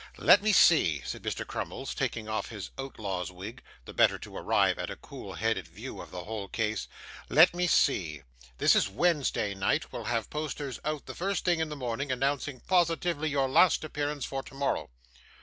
'Let me see,' said Mr. Crummles, taking off his outlaw's wig, the better to arrive at a cool headed view of the whole case. 'Let me see. This is Wednesday night. We'll have posters out the first thing in the morning, announcing positively your last appearance for tomorrow.